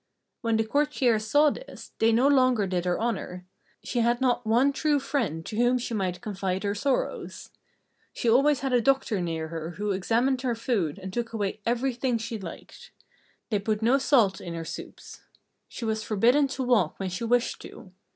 When the courtiers saw this, they no longer did her honour. She had not one true friend to whom she might confide her sorrows. She always had a doctor near her who examined her food and took away everything she liked. They put no salt in her soups. She was forbidden to walk when she wished to.